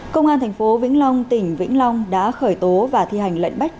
công an thành phố vĩnh long tỉnh vĩnh long đã khởi tố và thi hành lận bách